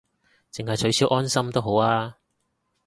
淨係取消安心都好吖